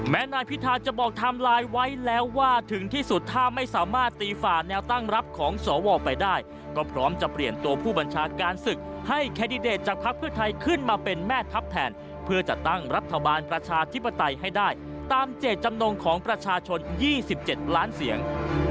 นายพิธาจะบอกไทม์ไลน์ไว้แล้วว่าถึงที่สุดถ้าไม่สามารถตีฝ่าแนวตั้งรับของสวไปได้ก็พร้อมจะเปลี่ยนตัวผู้บัญชาการศึกให้แคนดิเดตจากภักดิ์เพื่อไทยขึ้นมาเป็นแม่ทัพแทนเพื่อจัดตั้งรัฐบาลประชาธิปไตยให้ได้ตามเจตจำนงของประชาชน๒๗ล้านเสียง